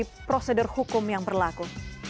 dari prosedur hukum yang berlaku